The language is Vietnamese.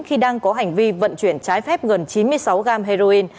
khi đang có hành vi vận chuyển trái phép gần chín mươi sáu gram heroin